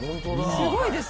すごいです！